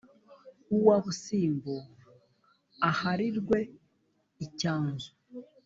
uwa busimbo aharirwe icyanzu